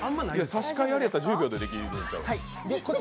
差し替えありやったら１０秒でもできるんちゃう？